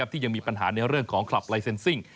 ที่ยังมีปัญหาในเรื่องของคลับลายเซ็นซิ่ง